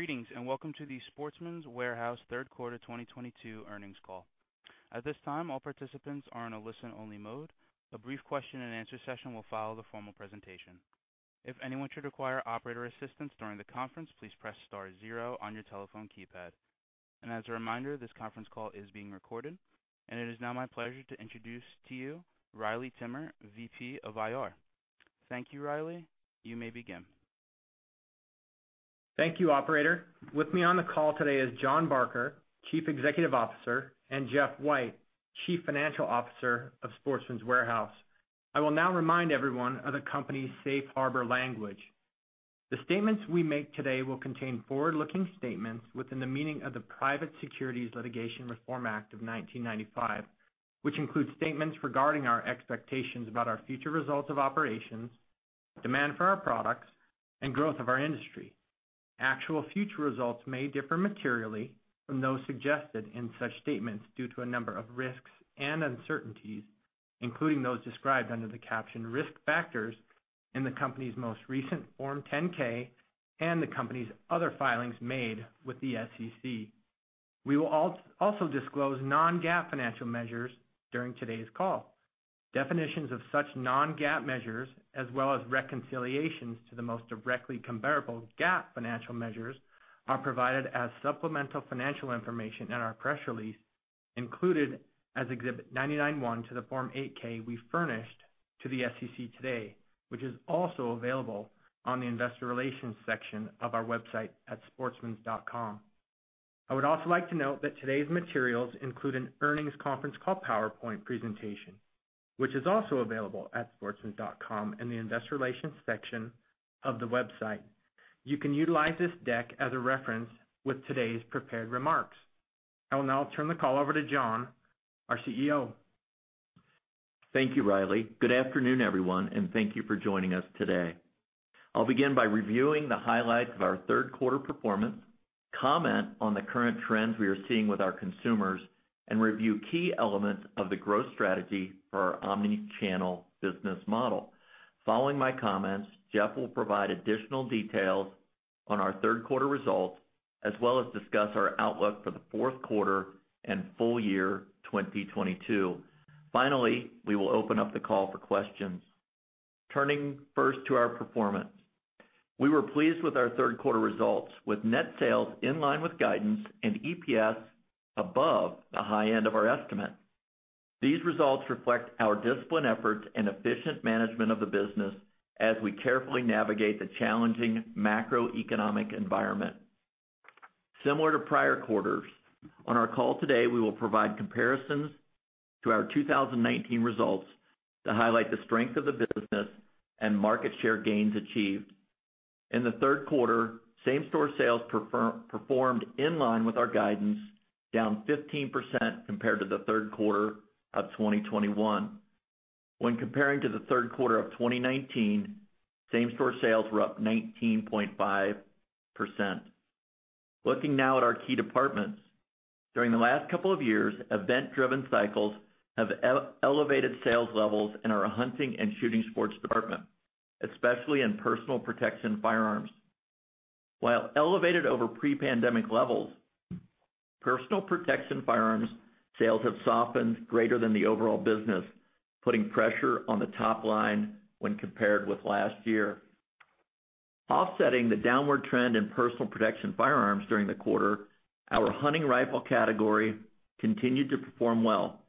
Greetings, welcome to the Sportsman's Warehouse Third Quarter 2022 Earnings Call. At this time, all participants are in a listen-only mode. A brief question-and-answer session will follow the formal presentation. If anyone should require operator assistance during the conference, please press star zero on your telephone keypad. As a reminder, this conference call is being recorded. It is now my pleasure to introduce to you Riley Timmer, VP of IR. Thank you, Riley. You may begin. Thank you, operator. With me on the call today is Jon Barker, Chief Executive Officer, and Jeff White, Chief Financial Officer of Sportsman's Warehouse. I will now remind everyone of the company's safe harbor language. The statements we make today will contain forward-looking statements within the meaning of the Private Securities Litigation Reform Act of 1995, which includes statements regarding our expectations about our future results of operations, demand for our products, and growth of our industry. Actual future results may differ materially from those suggested in such statements due to a number of risks and uncertainties, including those described under the caption Risk Factors in the company's most recent Form 10-K and the company's other filings made with the SEC. We will also disclose non-GAAP financial measures during today's call. Definitions of such non-GAAP measures, as well as reconciliations to the most directly comparable GAAP financial measures, are provided as supplemental financial information in our press release, included as Exhibit 99.1 to the Form 8-K we furnished to the SEC today, which is also available on the investor relations section of our website at sportsmans.com. I would also like to note that today's materials include an earnings conference call PowerPoint presentation, which is also available at sportsmans.com in the investor relations section of the website. You can utilize this deck as a reference with today's prepared remarks. I will now turn the call over to Jon, our CEO. Thank you, Riley. Good afternoon, everyone, and thank you for joining us today. I'll begin by reviewing the highlights of our third quarter performance, comment on the current trends we are seeing with our consumers, and review key elements of the growth strategy for our omni-channel business model. Following my comments, Jeff will provide additional details on our third quarter results, as well as discuss our outlook for the fourth quarter and full year 2022. We will open up the call for questions. Turning first to our performance. We were pleased with our third quarter results, with net sales in line with guidance and EPS above the high end of our estimate. These results reflect our disciplined efforts and efficient management of the business as we carefully navigate the challenging macroeconomic environment. Similar to prior quarters, on our call today, we will provide comparisons to our 2019 results to highlight the strength of the business and market share gains achieved. In the third quarter, same-store sales performed in line with our guidance, down 15% compared to the third quarter of 2021. When comparing to the third quarter of 2019, same-store sales were up 19.5%. Looking now at our key departments. During the last couple of years, event-driven cycles have elevated sales levels in our hunting and shooting sports department, especially in personal protection firearms. While elevated over pre-pandemic levels, personal protection firearms sales have softened greater than the overall business, putting pressure on the top line when compared with last year. Offsetting the downward trend in personal protection firearms during the quarter, our hunting rifle category continued to perform well,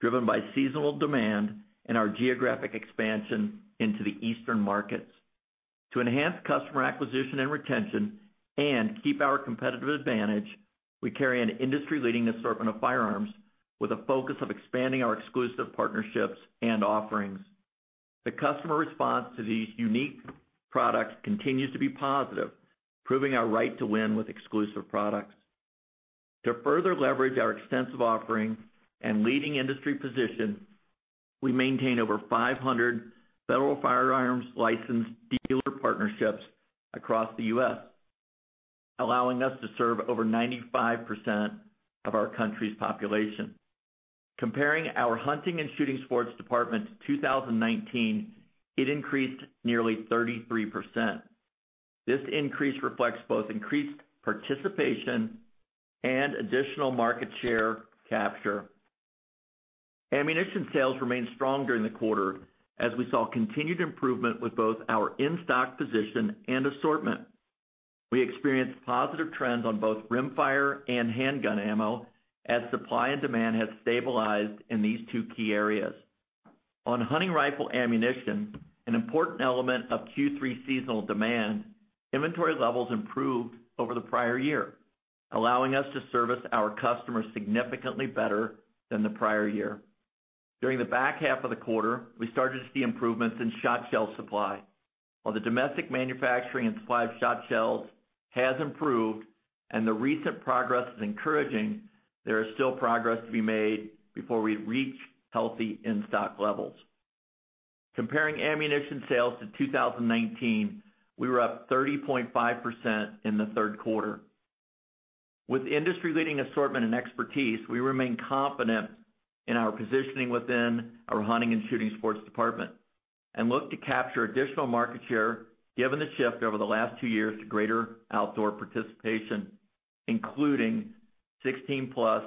driven by seasonal demand and our geographic expansion into the eastern markets. To enhance customer acquisition and retention and keep our competitive advantage, we carry an industry-leading assortment of firearms with a focus of expanding our exclusive partnerships and offerings. The customer response to these unique products continues to be positive, proving our right to win with exclusive products. To further leverage our extensive offering and leading industry position, we maintain over 500 Federal Firearms License dealer partnerships across the U.S., allowing us to serve over 95% of our country's population. Comparing our hunting and shooting sports department to 2019, it increased nearly 33%. This increase reflects both increased participation and additional market share capture. Ammunition sales remained strong during the quarter as we saw continued improvement with both our in-stock position and assortment. We experienced positive trends on both rimfire and handgun ammo as supply and demand has stabilized in these two key areas. On hunting rifle ammunition, an important element of Q3 seasonal demand, inventory levels improved over the prior year, allowing us to service our customers significantly better than the prior year. During the back half of the quarter, we started to see improvements in shot shell supply. While the domestic manufacturing and supply of shot shells has improved and the recent progress is encouraging, there is still progress to be made before we reach healthy in-stock levels. Comparing ammunition sales to 2019, we were up 30.5% in the third quarter. With industry-leading assortment and expertise, we remain confident in our positioning within our hunting and shooting sports department and look to capture additional market share given the shift over the last two years to greater outdoor participation, including 16+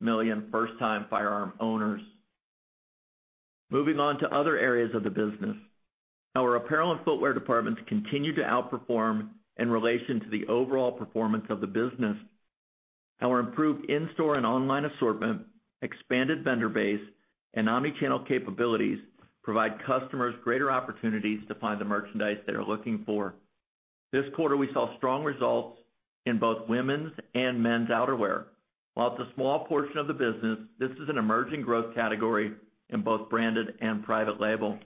million first-time firearm owners. Moving on to other areas of the business. Our Apparel and Footwear departments continue to outperform in relation to the overall performance of the business. Our improved in-store and online assortment, expanded vendor base, and omni-channel capabilities provide customers greater opportunities to find the merchandise they are looking for. This quarter, we saw strong results in both women's and men's outerwear. While it's a small portion of the business, this is an emerging growth category in both branded and private label.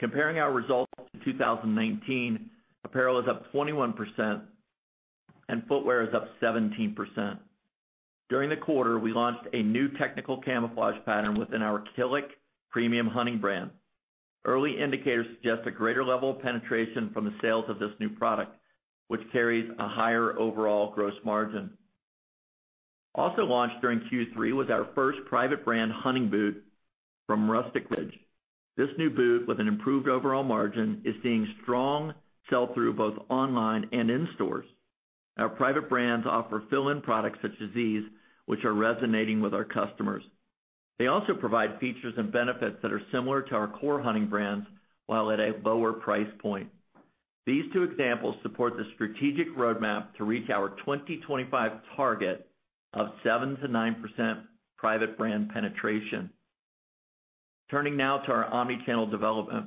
Comparing our results to 2019, apparel is up 21% and footwear is up 17%. During the quarter, we launched a new technical camouflage pattern within our Killik premium hunting brand. Early indicators suggest a greater level of penetration from the sales of this new product, which carries a higher overall gross margin. Also launched during Q3 was our first private brand hunting boot from Rustic Ridge. This new boot, with an improved overall margin, is seeing strong sell-through both online and in stores. Our private brands offer fill-in products such as these, which are resonating with our customers. They also provide features and benefits that are similar to our core hunting brands while at a lower price point. These two examples support the strategic roadmap to reach our 2025 target of 7%-9% private brand penetration. Turning now to our omni-channel development.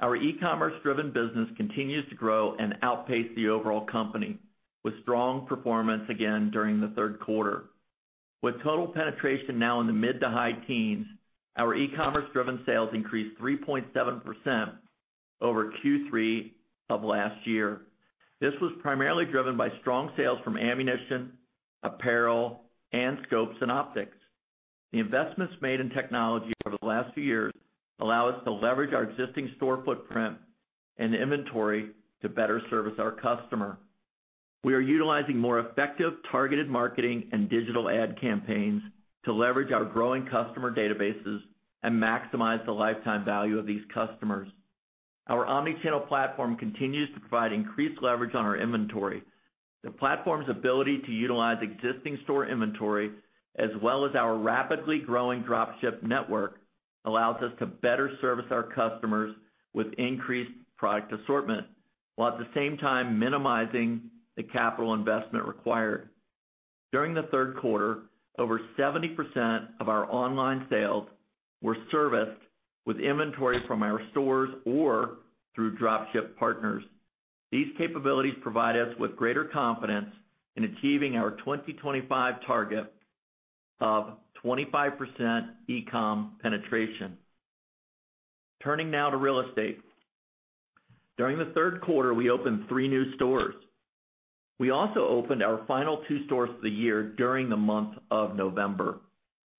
Our e-commerce-driven business continues to grow and outpace the overall company with strong performance again during the third quarter. With total penetration now in the mid to high teens, our e-commerce-driven sales increased 3.7% over Q3 of last year. This was primarily driven by strong sales from ammunition, apparel, and scopes and optics. The investments made in technology over the last few years allow us to leverage our existing store footprint and inventory to better service our customer. We are utilizing more effective targeted marketing and digital ad campaigns to leverage our growing customer databases and maximize the lifetime value of these customers. Our omni-channel platform continues to provide increased leverage on our inventory. The platform's ability to utilize existing store inventory, as well as our rapidly growing drop ship network, allows us to better service our customers with increased product assortment, while at the same time minimizing the capital investment required. During the third quarter, over 70% of our online sales were serviced with inventory from our stores or through drop ship partners. These capabilities provide us with greater confidence in achieving our 2025 target of 25% e-com penetration. Turning now to real estate. During the third quarter, we opened 3 new stores. We also opened our final 2 stores of the year during the month of November.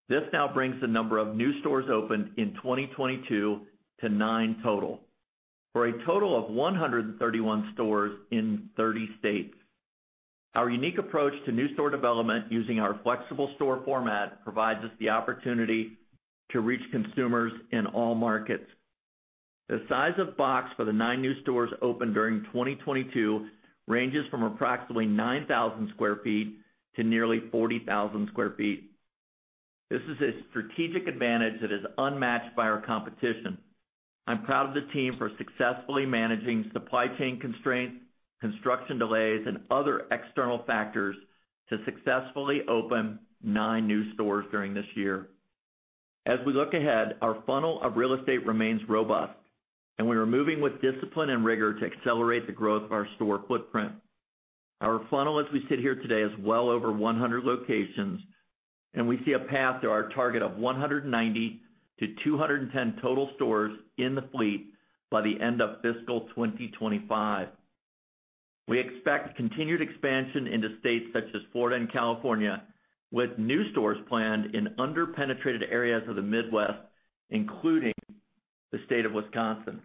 This now brings the number of new stores opened in 2022 to 9 total, for a total of 131 stores in 30 states. Our unique approach to new store development using our flexible store format provides us the opportunity to reach consumers in all markets. The size of box for the 9 new stores opened during 2022 ranges from approximately 9,000 sq ft to nearly 40,000 sq ft. This is a strategic advantage that is unmatched by our competition. I'm proud of the team for successfully managing supply chain constraints, construction delays, and other external factors to successfully open 9 new stores during this year. As we look ahead, our funnel of real estate remains robust, and we are moving with discipline and rigor to accelerate the growth of our store footprint. Our funnel as we sit here today is well over 100 locations, and we see a path to our target of 190-210 total stores in the fleet by the end of fiscal 2025. We expect continued expansion into states such as Florida and California, with new stores planned in under-penetrated areas of the Midwest, including the state of Wisconsin.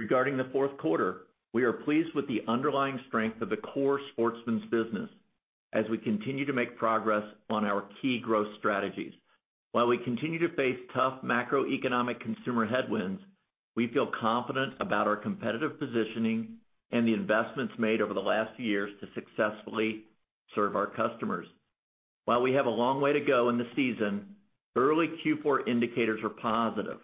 Regarding the fourth quarter, we are pleased with the underlying strength of the core Sportsman's business as we continue to make progress on our key growth strategies. While we continue to face tough macroeconomic consumer headwinds, we feel confident about our competitive positioning and the investments made over the last years to successfully serve our customers. While we have a long way to go in the season, early Q4 indicators are positive,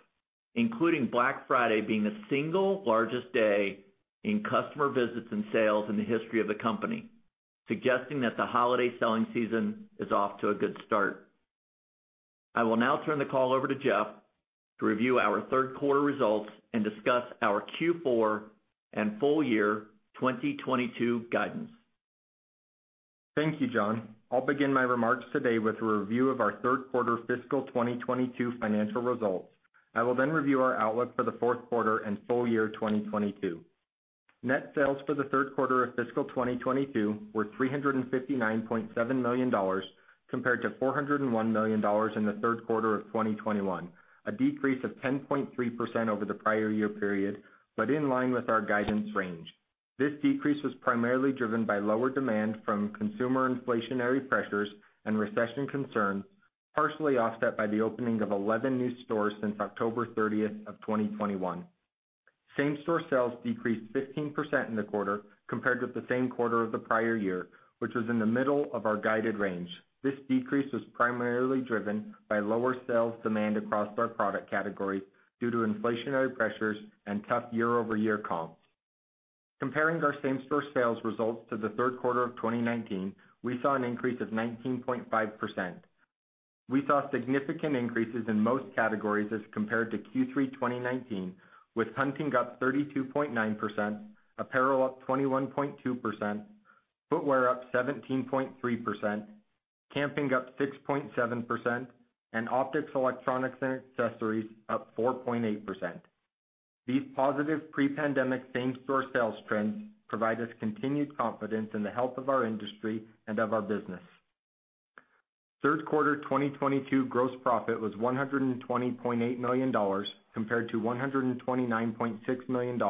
including Black Friday being the single largest day in customer visits and sales in the history of the company, suggesting that the holiday selling season is off to a good start. I will now turn the call over to Jeff to review our third quarter results and discuss our Q4 and full year 2022 guidance. Thank you, Jon. I'll begin my remarks today with a review of our third quarter fiscal 2022 financial results. I will review our outlook for the fourth quarter and full year 2022. Net sales for the third quarter of fiscal 2022 were $359.7 million, compared to $401 million in the third quarter of 2021. A decrease of 10.3% over the prior year period, in line with our guidance range. This decrease was primarily driven by lower demand from consumer inflationary pressures and recession concerns. Partially offset by the opening of 11 new stores since October 30th of 2021. Same-store sales decreased 15% in the quarter compared with the same quarter of the prior year, which was in the middle of our guided range. This decrease was primarily driven by lower sales demand across our product categories due to inflationary pressures and tough year-over-year comps. Comparing our same-store sales results to the third quarter of 2019, we saw an increase of 19.5%. We saw significant increases in most categories as compared to Q3 2019, with hunting up 32.9%, apparel up 21.2%, footwear up 17.3%, camping up 6.7%, and optics, electronics and accessories up 4.8%. These positive pre-pandemic same-store sales trends provide us continued confidence in the health of our industry and of our business. Third quarter 2022 gross profit was $120.8 million compared to $129.6 million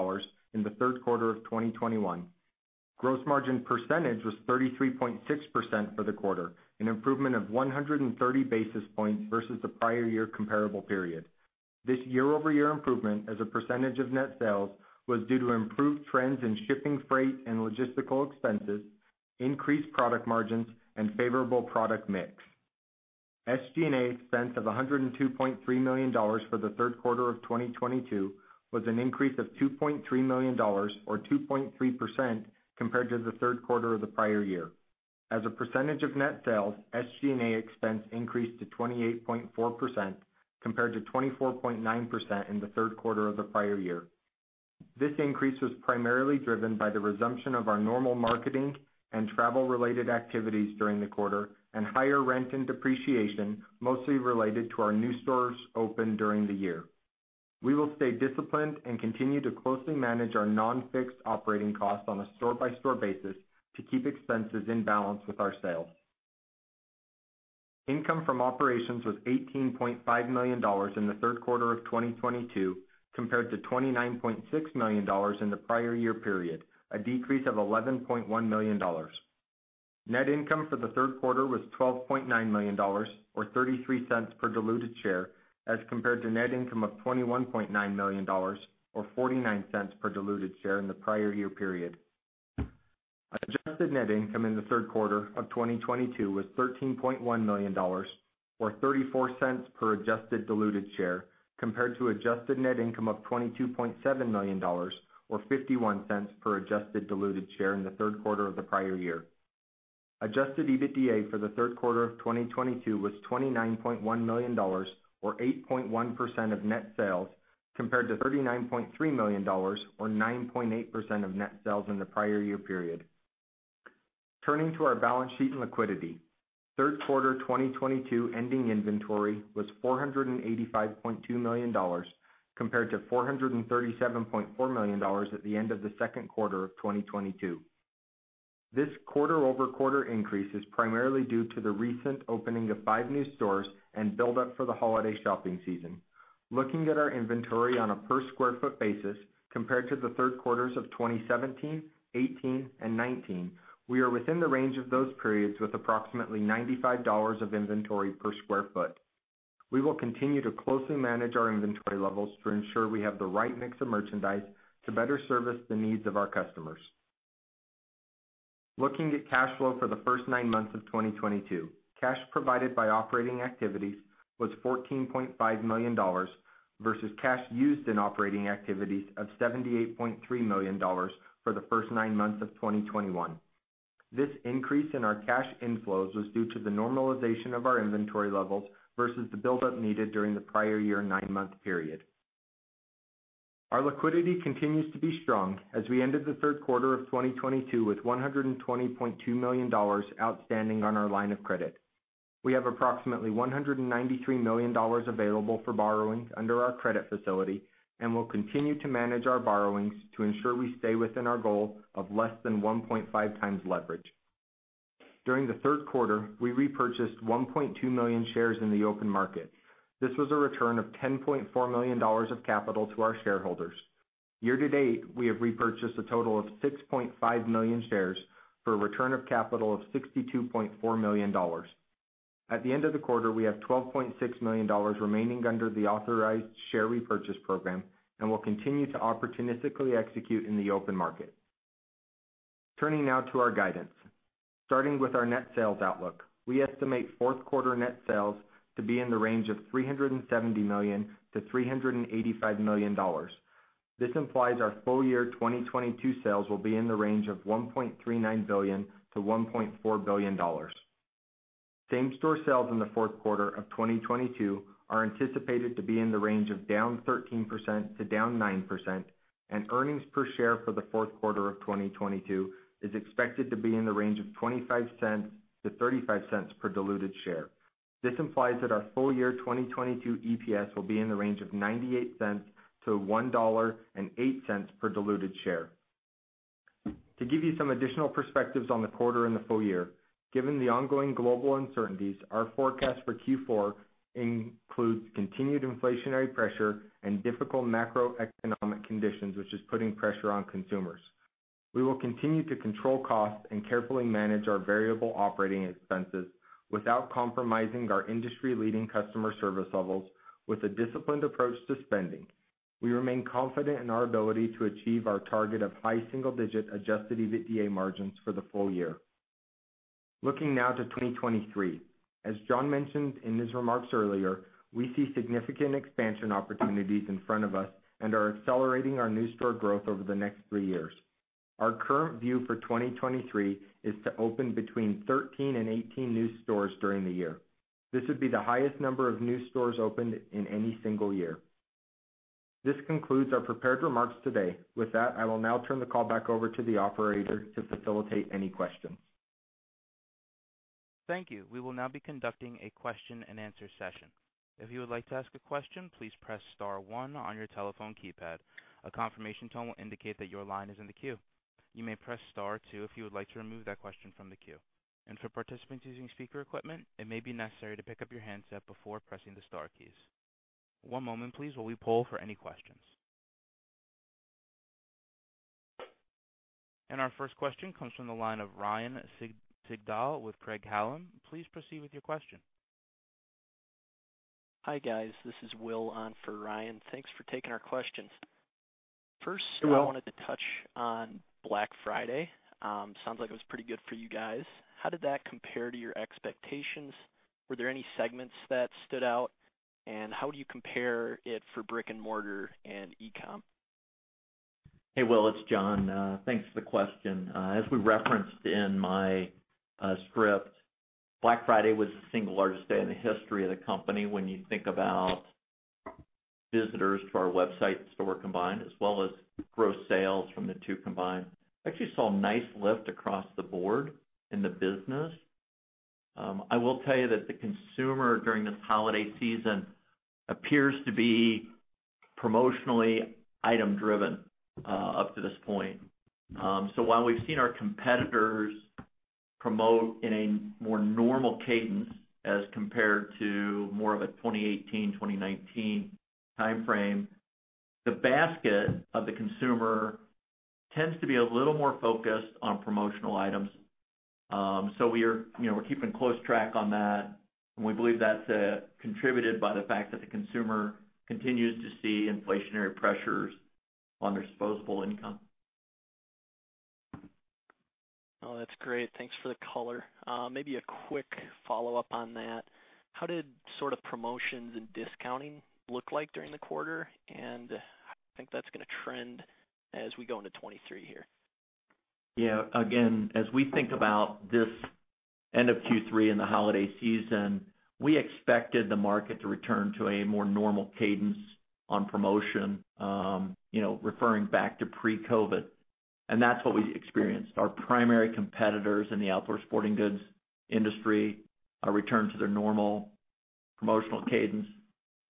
in the third quarter of 2021. Gross margin percentage was 33.6% for the quarter, an improvement of 130 basis points versus the prior year comparable period. This year-over-year improvement as a percentage of net sales was due to improved trends in shipping freight and logistical expenses, increased product margins and favorable product mix. SG&A expense of $102.3 million for the third quarter of 2022 was an increase of $2.3 million or 2.3% compared to the third quarter of the prior year. As a percentage of net sales, SG&A expense increased to 28.4% compared to 24.9% in the third quarter of the prior year. This increase was primarily driven by the resumption of our normal marketing and travel-related activities during the quarter and higher rent and depreciation, mostly related to our new stores opened during the year. We will stay disciplined and continue to closely manage our non-fixed operating costs on a store-by-store basis to keep expenses in balance with our sales. Income from operations was $18.5 million in the third quarter of 2022 compared to $29.6 million in the prior year period, a decrease of $11.1 million. Net income for the third quarter was $12.9 million or $0.33 per diluted share as compared to net income of $21.9 million or $0.49 per diluted share in the prior year period. Adjusted net income in the third quarter of 2022 was $13.1 million or $0.34 per adjusted diluted share compared to adjusted net income of $22.7 million or $0.51 per adjusted diluted share in the third quarter of the prior year. Adjusted EBITDA for the third quarter of 2022 was $29.1 million or 8.1% of net sales compared to $39.3 million or 9.8% of net sales in the prior year period. Turning to our balance sheet and liquidity. Third quarter 2022 ending inventory was $485.2 million compared to $437.4 million at the end of the second quarter of 2022. This quarter-over-quarter increase is primarily due to the recent opening of five new stores and build up for the holiday shopping season. Looking at our inventory on a per sq ft basis compared to the third quarters of 2017, 2018 and 2019, we are within the range of those periods with approximately $95 of inventory per sq ft. We will continue to closely manage our inventory levels to ensure we have the right mix of merchandise to better service the needs of our customers. Looking at cash flow for the first nine months of 2022. Cash provided by operating activities was $14.5 million versus cash used in operating activities of $78.3 million for the first nine months of 2021. This increase in our cash inflows was due to the normalization of our inventory levels versus the buildup needed during the prior year nine-month period. Our liquidity continues to be strong as we ended the third quarter of 2022 with $120.2 million outstanding on our line of credit. We have approximately $193 million available for borrowings under our credit facility and will continue to manage our borrowings to ensure we stay within our goal of less than 1.5x leverage. During the third quarter, we repurchased $1.2 million shares in the open market. This was a return of $10.4 million of capital to our shareholders. Year to date, we have repurchased a total of 6.5 million shares for a return of capital of $62.4 million. At the end of the quarter, we have $12.6 million remaining under the authorized share repurchase program and will continue to opportunistically execute in the open market. Turning now to our guidance. Starting with our net sales outlook. We estimate fourth quarter net sales to be in the range of $370 million to $385 million. This implies our full-year 2022 sales will be in the range of $1.39 billion to $1.4 billion. Same-store sales in the fourth quarter of 2022 are anticipated to be in the range of down 13% to down 9%, and earnings per share for the fourth quarter of 2022 is expected to be in the range of $0.25-$0.35 per diluted share. This implies that our full-year 2022 EPS will be in the range of $0.98-$1.08 per diluted share. To give you some additional perspectives on the quarter and the full year. Given the ongoing global uncertainties, our forecast for Q4 includes continued inflationary pressure and difficult macroeconomic conditions, which is putting pressure on consumers. We will continue to control costs and carefully manage our variable operating expenses without compromising our industry-leading customer service levels with a disciplined approach to spending. We remain confident in our ability to achieve our target of high single-digit adjusted EBITDA margins for the full year. Looking now to 2023. As Jon mentioned in his remarks earlier, we see significant expansion opportunities in front of us and are accelerating our new store growth over the next three years. Our current view for 2023 is to open between 13 and 18 new stores during the year. This would be the highest number of new stores opened in any single year. This concludes our prepared remarks today. I will now turn the call back over to the operator to facilitate any questions. Thank you. We will now be conducting a question-and-answer session. If you would like to ask a question, please press star one on your telephone keypad. A confirmation tone will indicate that your line is in the queue. You may press star two if you would like to remove that question from the queue. For participants using speaker equipment, it may be necessary to pick up your handset before pressing the star keys. One moment please, while we poll for any questions. Our first question comes from the line of Ryan Sigdahl with Craig-Hallum. Please proceed with your question. Hi, guys. This is Will on for Ryan. Thanks for taking our questions. Hey, Will. First, I wanted to touch on Black Friday. Sounds like it was pretty good for you guys. How did that compare to your expectations? Were there any segments that stood out, and how would you compare it for brick-and-mortar and e-com? Hey, Will, it's Jon. Thanks for the question. As we referenced in my script, Black Friday was the single largest day in the history of the company when you think about visitors to our website and store combined, as well as gross sales from the two combined. Actually saw a nice lift across the board in the business. I will tell you that the consumer during this holiday season appears to be promotionally item-driven up to this point. While we've seen our competitors promote in a more normal cadence as compared to more of a 2018, 2019 timeframe, the basket of the consumer tends to be a little more focused on promotional items. You know, we're keeping close track on that, and we believe that's contributed by the fact that the consumer continues to see inflationary pressures on their disposable income. Oh, that's great. Thanks for the color. Maybe a quick follow-up on that. How did sort of promotions and discounting look like during the quarter? How do you think that's going to trend as we go into 2023 here? Again, as we think about this end of Q3 and the holiday season, we expected the market to return to a more normal cadence on promotion, you know, referring back to pre-COVID, and that's what we experienced. Our primary competitors in the outdoor sporting goods industry are returned to their normal promotional cadence.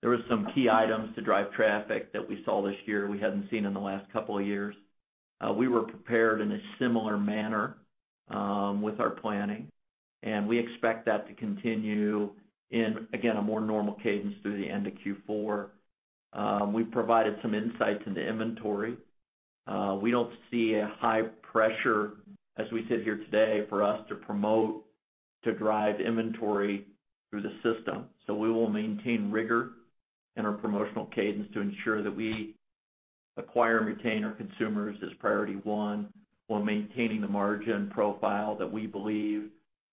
There were some key items to drive traffic that we saw this year we hadn't seen in the last couple of years. We were prepared in a similar manner with our planning, and we expect that to continue in, again, a more normal cadence through the end of Q4. We've provided some insights into inventory. We don't see a high pressure as we sit here today for us to promote to drive inventory through the system. We will maintain rigor in our promotional cadence to ensure that we acquire and retain our consumers as priority one while maintaining the margin profile that we believe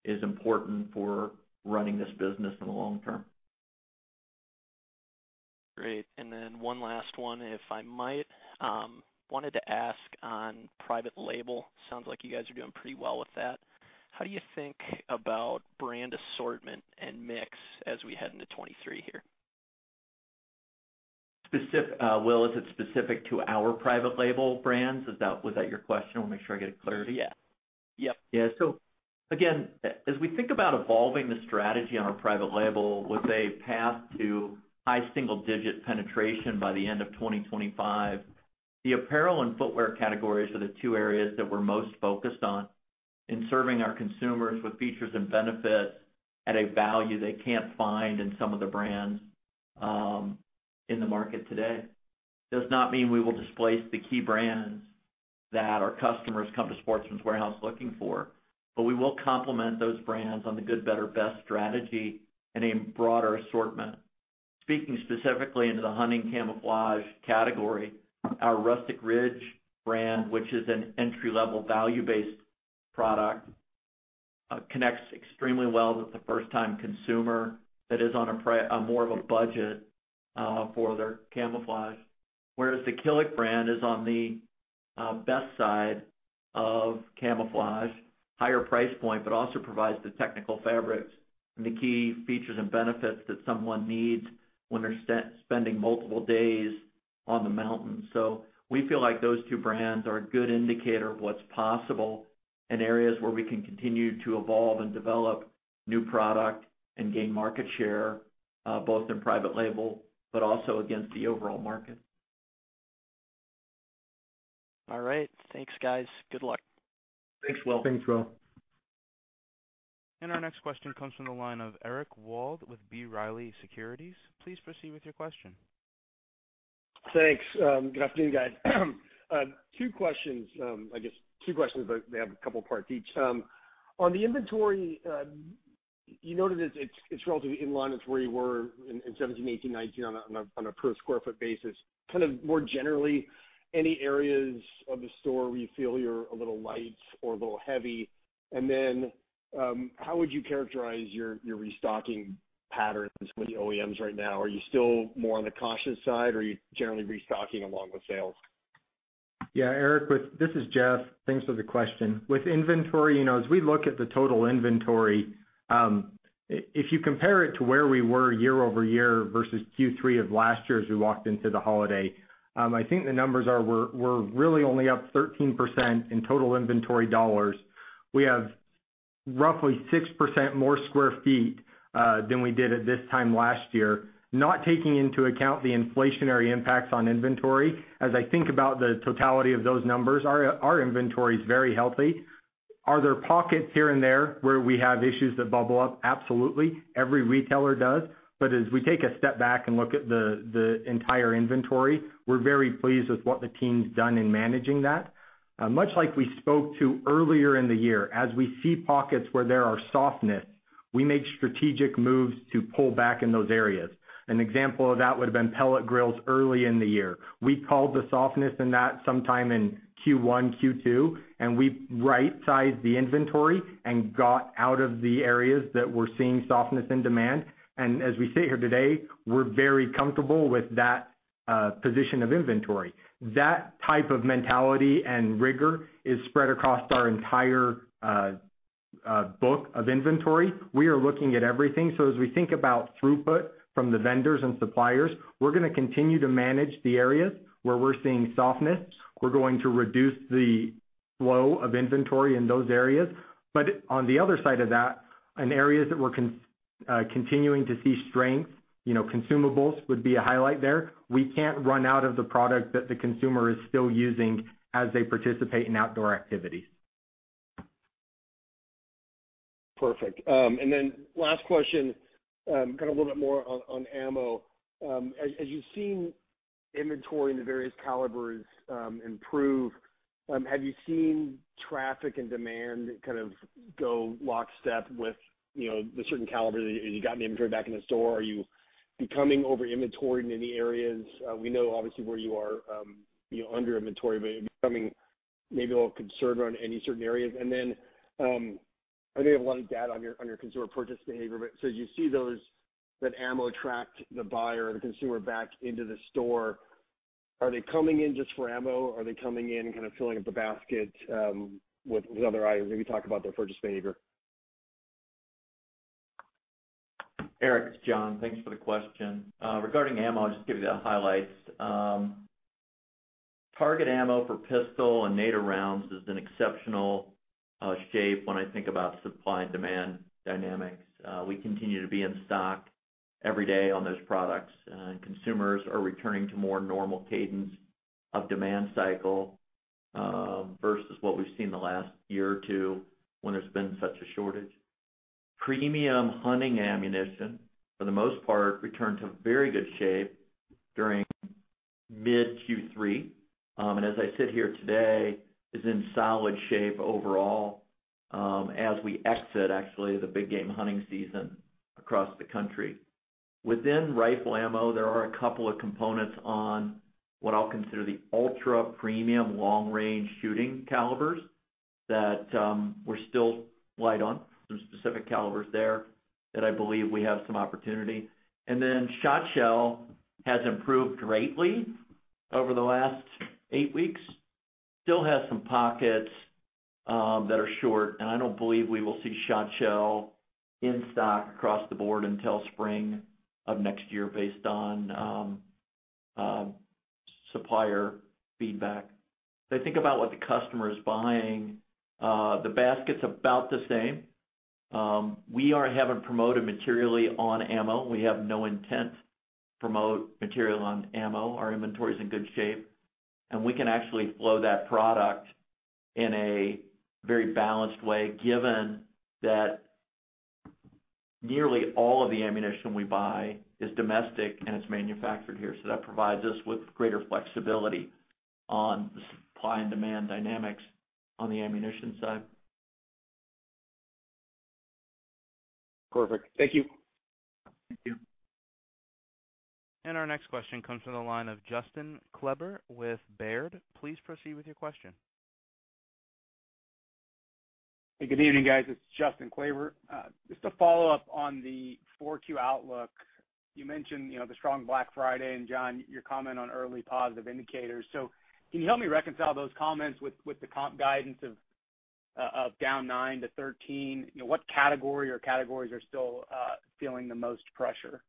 is important for running this business in the long term. Great. Then one last one, if I might. wanted to ask on private label. Sounds like you guys are doing pretty well with that. How do you think about brand assortment and mix as we head into 2023 here? Will, is it specific to our private label brands? Was that your question? I wanna make sure I get it clear. Yep. Again, as we think about evolving the strategy on our private label with a path to high single-digit penetration by the end of 2025, the apparel and footwear categories are the two areas that we're most focused on in serving our consumers with features and benefits at a value they can't find in some of the brands in the market today. Does not mean we will displace the key brands that our customers come to Sportsman's Warehouse looking for, but we will complement those brands on the good, better, best strategy in a broader assortment. Speaking specifically into the hunting camouflage category, our Rustic Ridge brand, which is an entry-level value-based product, connects extremely well with the first-time consumer that is on a more of a budget for their camouflage. Whereas the Killik brand is on the best side of camouflage. Higher price point, but also provides the technical fabrics and the key features and benefits that someone needs when they're spending multiple days on the mountain. We feel like those two brands are a good indicator of what's possible in areas where we can continue to evolve and develop new product and gain market share, both in private label but also against the overall market. All right. Thanks, guys. Good luck. Thanks, Will. Thanks, Will. Our next question comes from the line of Eric Wold with B. Riley Securities. Please proceed with your question. Thanks. Good afternoon, guys. Two questions, I guess two questions, but they have a couple parts each. On the inventory, you noted it's relatively in line with where you were in 17, 18, 19 on a, on a per square foot basis. Kind of more generally, any areas of the store where you feel you're a little light or a little heavy? And then, how would you characterize your restocking patterns with the OEMs right now? Are you still more on the cautious side, or are you generally restocking along with sales? Eric, this is Jeff. Thanks for the question. With inventory, you know, as we look at the total inventory, if you compare it to where we were year over year versus Q3 of last year as we walked into the holiday, I think the numbers are we're really only up 13% in total inventory dollars. We have roughly 6% more square feet than we did at this time last year, not taking into account the inflationary impacts on inventory. As I think about the totality of those numbers, our inventory is very healthy. Are there pockets here and there where we have issues that bubble up? Absolutely. Every retailer does. As we take a step back and look at the entire inventory, we're very pleased with what the team's done in managing that. Much like we spoke to earlier in the year, as we see pockets where there are softness, we make strategic moves to pull back in those areas. An example of that would have been pellet grills early in the year. We called the softness in that sometime in Q1, Q2, we right-sized the inventory and got out of the areas that we're seeing softness in demand. As we sit here today, we're very comfortable with that position of inventory. That type of mentality and rigor is spread across our entire book of inventory. We are looking at everything. As we think about throughput from the vendors and suppliers, we're gonna continue to manage the areas where we're seeing softness. We're going to reduce the flow of inventory in those areas. On the other side of that, in areas that we're continuing to see strength, you know, consumables would be a highlight there. We can't run out of the product that the consumer is still using as they participate in outdoor activities. Perfect. Last question, kind of a little bit more on ammo. As you've seen inventory in the various calibers improve, have you seen traffic and demand kind of go lockstep with, you know, the certain caliber? As you got an inventory back in the store, are you becoming over inventoried in any areas? We know obviously where you are, you know, under inventory, are you becoming maybe a little concerned around any certain areas? I know you have a lot of data on your, on your consumer purchase behavior, you see That ammo attract the buyer or the consumer back into the store. Are they coming in just for ammo? Are they coming in kind of filling up the basket with other items? Maybe talk about their purchase behavior. Eric, it's Jon. Thanks for the question. Regarding ammo, I'll just give you the highlights. Target ammo for pistol and NATO rounds is in exceptional shape when I think about supply and demand dynamics. We continue to be in stock every day on those products. Consumers are returning to more normal cadence of demand cycle versus what we've seen in the last year or two when there's been such a shortage. Premium hunting ammunition, for the most part, returned to very good shape during mid Q3. As I sit here today, is in solid shape overall, as we exit actually the big game hunting season across the country. Within rifle ammo, there are a couple of components on what I'll consider the ultra-premium long-range shooting calibers that we're still light on. Some specific calibers there that I believe we have some opportunity. Shot shell has improved greatly over the last eight weeks. Still has some pockets that are short, and I don't believe we will see shot shell in stock across the board until spring of next year based on supplier feedback. I think about what the customer is buying, the basket's about the same. We are haven't promoted materially on ammo. We have no intent to promote material on ammo. Our inventory is in good shape, and we can actually flow that product in a very balanced way, given that nearly all of the ammunition we buy is domestic and it's manufactured here. That provides us with greater flexibility on the supply and demand dynamics on the ammunition side. Perfect. Thank you. Thank you. Our next question comes from the line of Justin Kleber with Baird. Please proceed with your question. Hey, good evening, guys. It's Justin Kleber. Just to follow up on the 4Q outlook. You mentioned, you know, the strong Black Friday and Jon, your comment on early positive indicators. Can you help me reconcile those comments with the comp guidance of down 9%-13%? You know, what category or categories are still feeling the most pressure?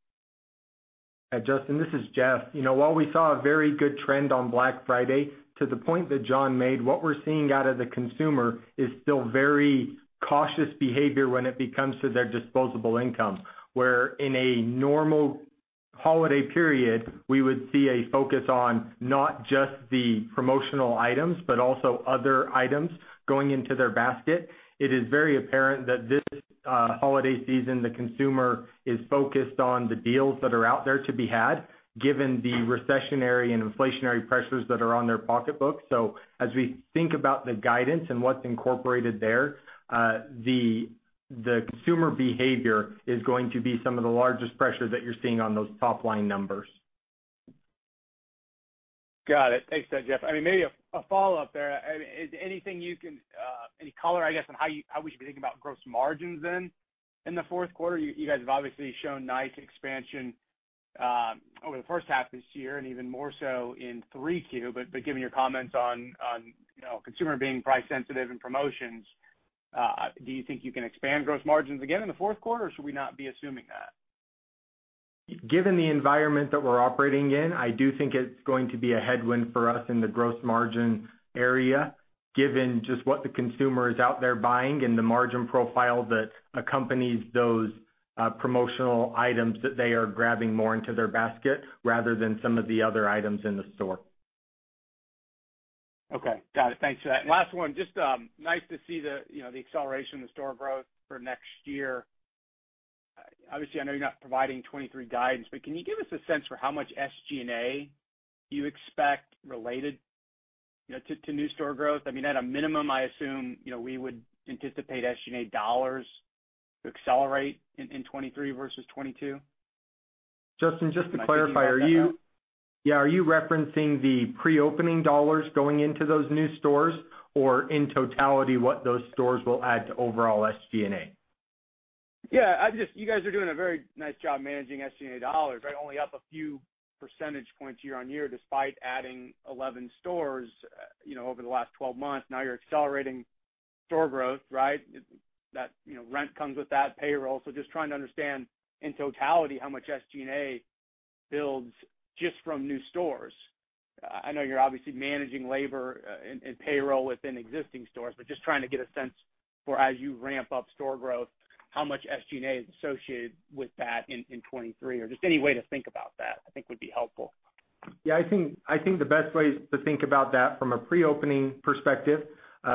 Hey, Justin, this is Jeff. You know, while we saw a very good trend on Black Friday, to the point that Jon made, what we're seeing out of the consumer is still very cautious behavior when it comes to their disposable income, where in a normal Holiday period, we would see a focus on not just the promotional items, but also other items going into their basket. It is very apparent that this holiday season, the consumer is focused on the deals that are out there to be had, given the recessionary and inflationary pressures that are on their pocketbooks. As we think about the guidance and what's incorporated there, the consumer behavior is going to be some of the largest pressure that you're seeing on those top-line numbers. Got it. Thanks for that, Jeff. I mean, maybe a follow-up there. Is anything you can any color, I guess, on how we should be thinking about gross margins then in the fourth quarter? You guys have obviously shown nice expansion over the first half this year and even more so in 3Q. Given your comments on, you know, consumer being price sensitive in promotions, do you think you can expand gross margins again in the fourth quarter, or should we not be assuming that? Given the environment that we're operating in, I do think it's going to be a headwind for us in the gross margin area, given just what the consumer is out there buying and the margin profile that accompanies those, promotional items that they are grabbing more into their basket rather than some of the other items in the store. Okay. Got it. Thanks for that. Last one. Just nice to see the acceleration in the store growth for next year. Obviously, I know you're not providing 2023 guidance, but can you give us a sense for how much SG&A you expect related to new store growth? At a minimum, I assume we would anticipate SG&A dollars to accelerate in 2023 versus 2022. Justin, just to clarify. Can I take you off that note? Are you referencing the pre-opening dollars going into those new stores or in totality what those stores will add to overall SG&A? You guys are doing a very nice job managing SG&A dollars, right? Only up a few percentage points year-over-year despite adding 11 stores over the last 12 months. You're accelerating store growth, right? That rent comes with that payroll. Just trying to understand in totality how much SG&A builds just from new stores. I know you're obviously managing labor and payroll within existing stores, just trying to get a sense for as you ramp up store growth, how much SG&A is associated with that in '23. Just any way to think about that, I think would be helpful. The best way to think about that from a pre-opening perspective,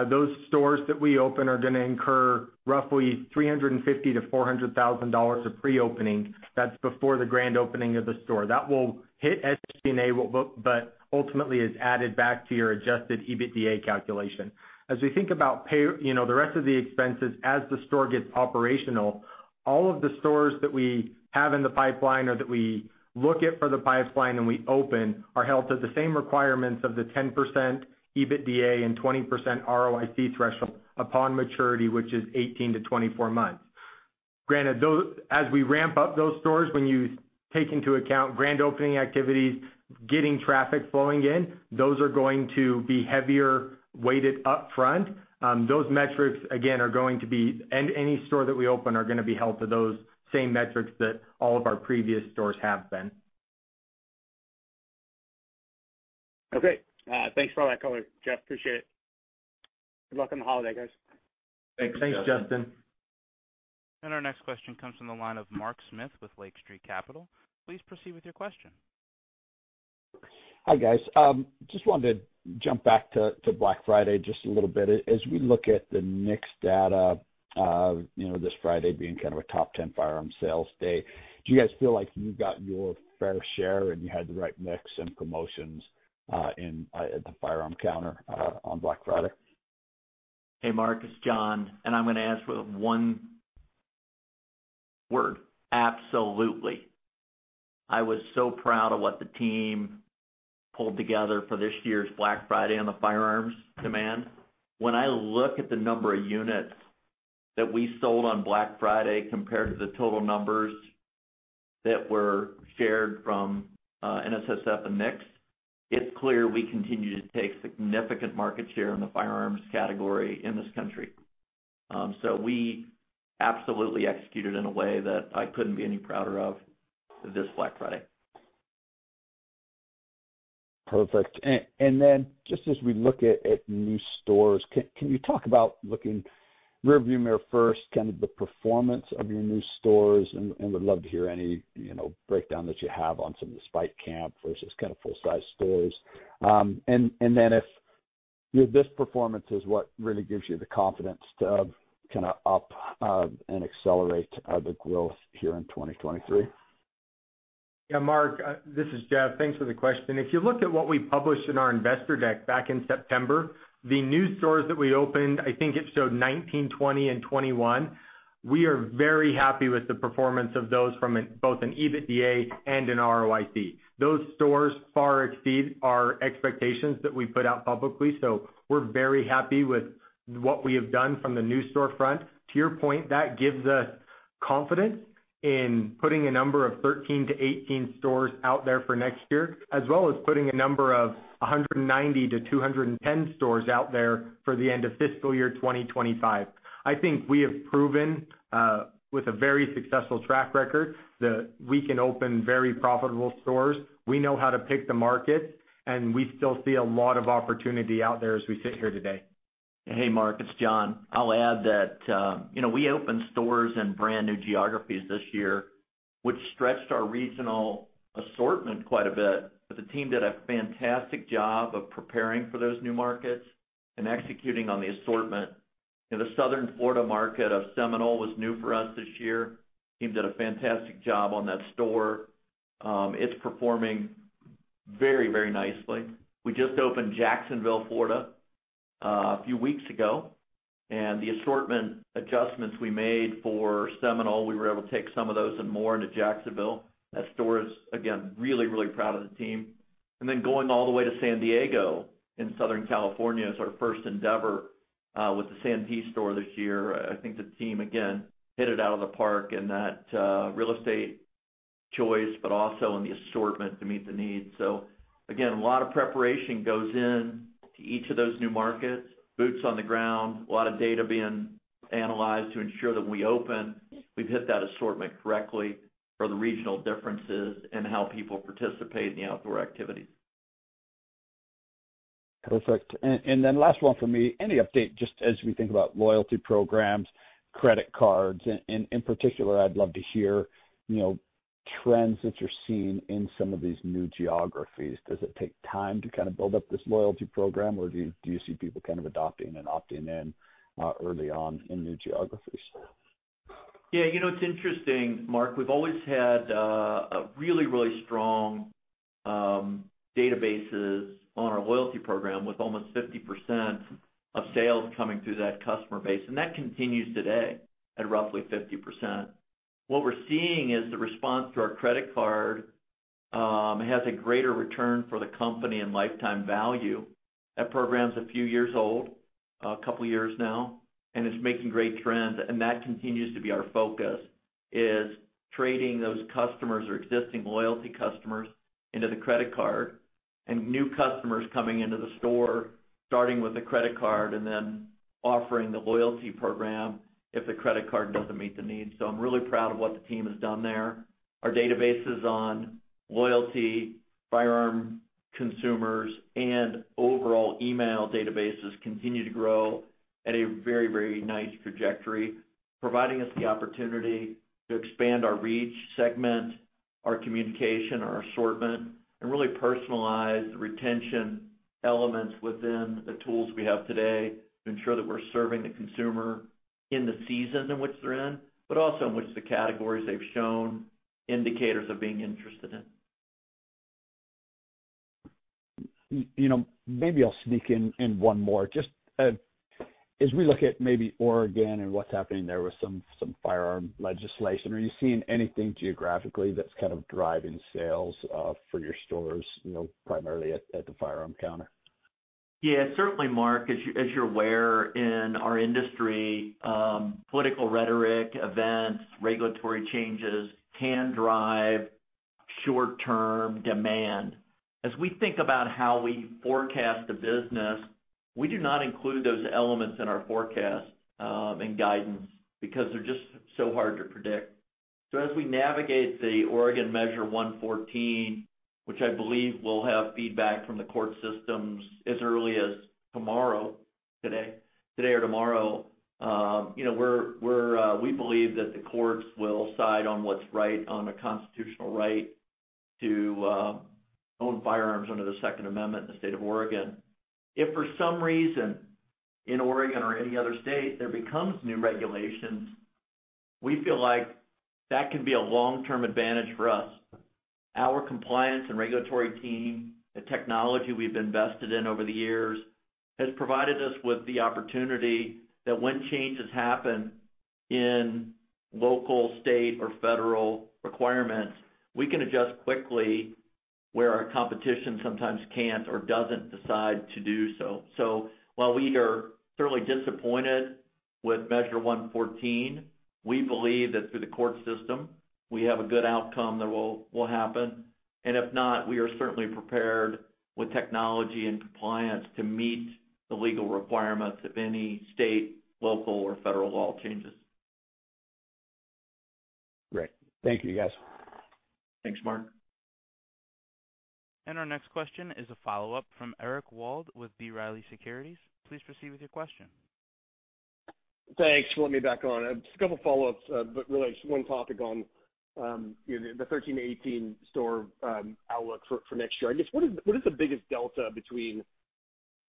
those stores that we open are gonna incur roughly $350,000-$400,000 of pre-opening. That's before the grand opening of the store. That will hit SG&A but ultimately is added back to your adjusted EBITDA calculation. As we think about pay, you know, the rest of the expenses as the store gets operational, all of the stores that we have in the pipeline or that we look at for the pipeline and we open are held to the same requirements of the 10% EBITDA and 20% ROIC threshold upon maturity, which is 18-24 months. Granted, as we ramp up those stores, when you take into account grand opening activities, getting traffic flowing in, those are going to be heavier weighted upfront. Those metrics, again, are going to be any store that we open are gonna be held to those same metrics that all of our previous stores have been. Okay. Thanks for all that color, Jeff. Appreciate it. Good luck on the holiday, guys. Thanks, Justin. Our next question comes from the line of Mark Smith with Lake Street Capital. Please proceed with your question. Hi, guys. just wanted to jump back to Black Friday just a little bit. As we look at the mix data, you know, this Friday being kind of a top 10 firearm sales day, do you guys feel like you got your fair share and you had the right mix and promotions, at the firearm counter, on Black Friday? Hey, Mark, it's Jon, I'm gonna answer with one word: absolutely. I was so proud of what the team pulled together for this year's Black Friday on the firearms demand. When I look at the number of units that we sold on Black Friday compared to the total numbers that were shared from NSSF and NICS, it's clear we continue to take significant market share in the firearms category in this country. We absolutely executed in a way that I couldn't be any prouder of this Black Friday. Perfect. Just as we look at new stores, can you talk about looking rearview mirror first, the performance of your new stores and would love to hear any breakdown that you have on some of the Spike Camp versus kind of full-size stores. If this performance is what really gives you the confidence to up and accelerate the growth here in 2023. Mark, this is Jeff. Thanks for the question. If you look at what we published in our investor deck back in September, the new stores that we opened, I think it showed '19, '20, and '21, we are very happy with the performance of those from both an EBITDA and an ROIC. Those stores far exceed our expectations that we put out publicly. We're very happy with what we have done from the new storefront. To your point, that gives us confidence in putting a number of 13-18 stores out there for next year, as well as putting a number of 190-210 stores out there for the end of fiscal year 2025. I think we have proven with a very successful track record that we can open very profitable stores. We know how to pick the markets, and we still see a lot of opportunity out there as we sit here today. Hey, Mark, it's Jon. I'll add that we opened stores in brand new geographies this year, which stretched our regional assortment quite a bit. But the team did a fantastic job of preparing for those new markets and executing on the assortment. In the Southern Florida market of Seminole was new for us this year. Team did a fantastic job on that store. It's performing very, very nicely. We just opened Jacksonville, Florida, a few weeks ago, and the assortment adjustments we made for Seminole, we were able to take some of those and more into Jacksonville. That store is, again, really proud of the team. And then going all the way to San Diego in Southern California is our first endeavor with the San Diego store this year. I think the team, again, hit it out of the park in that, real estate choice, but also in the assortment to meet the needs. Again, a lot of preparation goes in to each of those new markets. Boots on the ground. A lot of data being analyzed to ensure that we open. We've hit that assortment correctly for the regional differences and how people participate in the outdoor activities. Perfect. Then last one for me. Any update, just as we think about loyalty programs, credit cards, in particular, I'd love to hear, you know, trends that you're seeing in some of these new geographies? Does it take time to kind of build up this loyalty program, or do you see people kind of adopting and opting in early on in new geographies? It's interesting, Mark. We've always had a really, really strong databases on our loyalty program, with almost 50% of sales coming through that customer base, and that continues today at roughly 50%. What we're seeing is the response to our credit card has a greater return for the company and lifetime value. That program's a few years old, a couple of years now, it's making great trends. That continues to be our focus, is trading those customers or existing loyalty customers into the credit card and new customers coming into the store, starting with the credit card and then offering the loyalty program if the credit card doesn't meet the needs. I'm really proud of what the team has done there. Our databases on loyalty, firearm consumers, and overall email databases continue to grow at a very, very nice trajectory, providing us the opportunity to expand our reach segment, our communication, our assortment, and really personalize the retention elements within the tools we have today to ensure that we're serving the consumer in the season in which they're in, but also in which the categories they've shown indicators of being interested in. Maybe I'll sneak in one more. Just, as we look at maybe Oregon and what's happening there with some firearm legislation, are you seeing anything geographically that's kind of driving sales, for your stores primarily at the firearm counter? Certainly, Mark. As you, as you're aware, in our industry, political rhetoric, events, regulatory changes can drive short-term demand. As we think about how we forecast the business, we do not include those elements in our forecast and guidance because they're just so hard to predict. So as we navigate the Oregon Measure 114, which I believe will have feedback from the court systems as early as today or tomorrow, you know, we're we believe that the courts will side on what's right on a constitutional right to own firearms under the Second Amendment in the state of Oregon. If for some reason in Oregon or any other state, there becomes new regulations, we feel like that can be a long-term advantage for us. Our compliance and regulatory team, the technology we've invested in over the years, has provided us with the opportunity that when changes happen in local, state, or federal requirements, we can adjust quickly where our competition sometimes can't or doesn't decide to do so. While we are certainly disappointed with Measure 114, we believe that through the court system, we have a good outcome that will happen. If not, we are certainly prepared with technology and compliance to meet the legal requirements of any state, local, or federal law changes. Great. Thank you, guys. Thanks, Mark. Our next question is a follow-up from Eric Wold with B. Riley Securities. Please proceed with your question. Thanks for letting me back on. Just a couple follow-ups, but really one topic on the 13-18 store outlook for next year. I guess what is the biggest delta between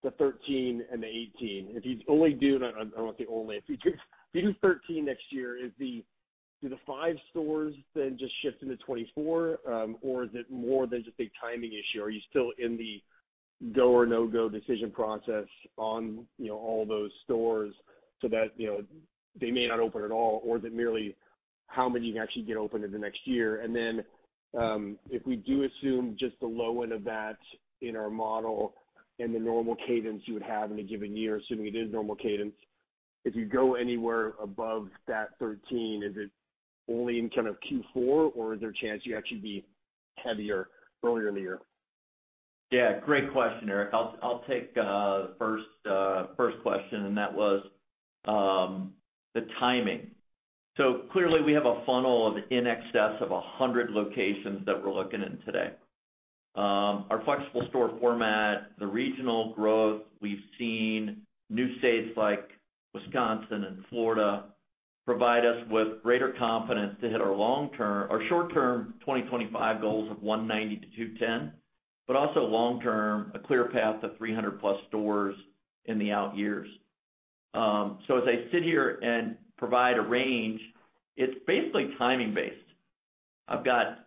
the 13 and the 18? I won't say only. If you do 13 next year, do the 5 stores then just shift into 2024? Is it more than just a timing issue? Are you still in the go or no-go decision process on, you know, all those stores so that, you know, they may not open at all? Is it merely how many you can actually get open in the next year? If we do assume just the low end of that in our model and the normal cadence you would have in a given year, assuming it is normal cadence, if you go anywhere above that 13, is it only in kind of Q4, or is there a chance you'd actually be heavier earlier in the year? Great question, Eric. I'll take first question. The timing. Clearly, we have a funnel of in excess of 100 locations that we're looking in today. Our flexible store format, the regional growth, we've seen new states like Wisconsin and Florida provide us with greater confidence to hit Our short term 2025 goals of 190-210, also long-term, a clear path to 300+ stores in the out years. As I sit here and provide a range, it's basically timing-based. I've got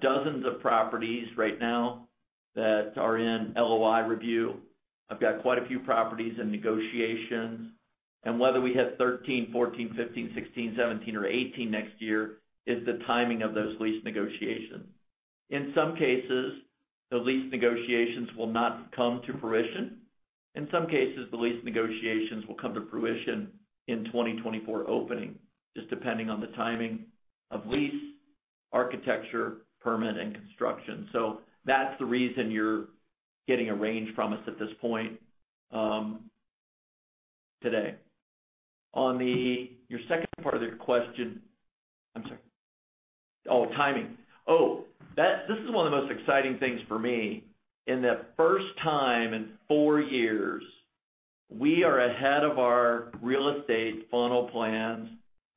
dozens of properties right now that are in LOI review. I've got quite a few properties in negotiations. Whether we hit 13, 14, 15, 16, 17, or 18 next year is the timing of those lease negotiations. In some cases, the lease negotiations will not come to fruition. In some cases, the lease negotiations will come to fruition in 2024 opening, just depending on the timing of lease, architecture, permit, and construction. That's the reason you're getting a range from us at this point today. Your second part of the question. I'm sorry. Timing. This is one of the most exciting things for me. In the first time in four years, we are ahead of our real estate funnel plans,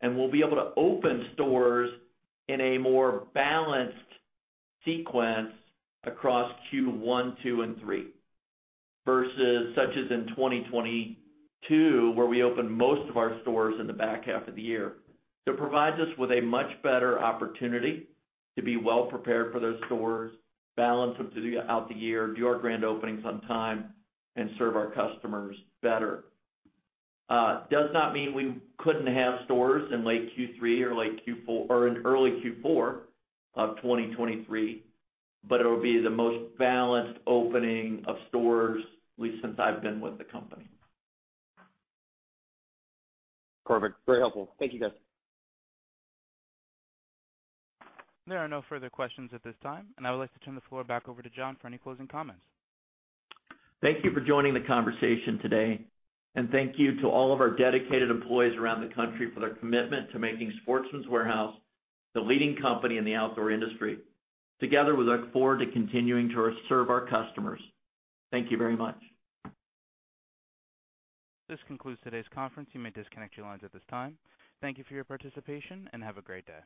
and we'll be able to open stores in a more balanced sequence across Q1, Q2, and Q3 versus such as in 2022, where we opened most of our stores in the back half of the year. It provides us with a much better opportunity to be well prepared for those stores, balance them through the out the year, do our grand openings on time, and serve our customers better. Does not mean we couldn't have stores in late Q3 or late Q4 or in early Q4 of 2023, but it'll be the most balanced opening of stores at least since I've been with the company. Perfect. Very helpful. Thank you, guys. There are no further questions at this time, and I would like to turn the floor back over to Jon for any closing comments. Thank you for joining the conversation today, and thank you to all of our dedicated employees around the country for their commitment to making Sportsman's Warehouse the leading company in the outdoor industry. Together, we look forward to continuing to serve our customers. Thank you very much. This concludes today's conference. You may disconnect your lines at this time. Thank you for your participation, and have a great day.